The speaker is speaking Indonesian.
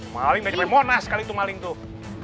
maling udah jadi pembona sekali itu maling tuh